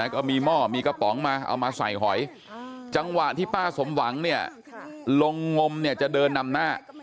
ก็มีหม้อมีกระป๋องมาเอามาใส่หอยจังหวะที่ป้าสมหวังเนี่ยลงงมเนี่ยจะเดินนำหน้า